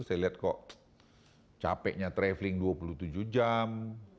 saya lihat kok capeknya traveling dua puluh tujuh jam